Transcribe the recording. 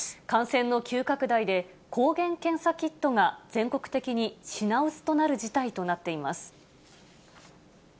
感染の急拡大で、抗原検査キットが全国的に品薄となる事態となっています。